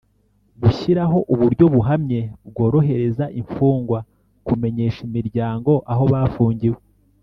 gushyiraho uburyo buhamye bworohereza imfungwa kumenyesha imiryango aho bafungiwe